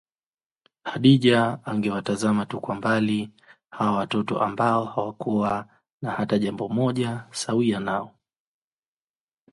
Khadija angewatazama tu kwa mbali, hawa watoto ambao hakuwa na hata jambo moja sawia nao